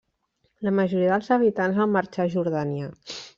La majoria dels habitants van marxar a Jordània.